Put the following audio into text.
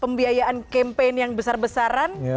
pembiayaan campaign yang besar besaran